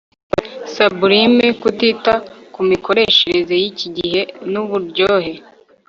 Sublime kutita kumikoreshereze yiki gihe nuburyohe